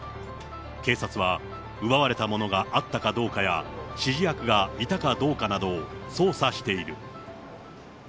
警察は、奪われたものがあったかどうかや、指示役がいたかどうかなど、捜査している。